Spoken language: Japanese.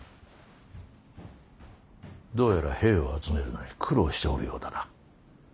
どうやら兵を集めるのに苦労しておるようだな。